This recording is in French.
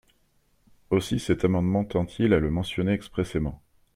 Aussi cet amendement tend-il à le mentionner expressément.